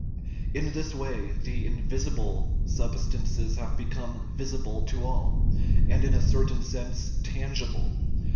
In this way the " invisible " substances have become " vis ible " to all, and in a certain sense " tangible."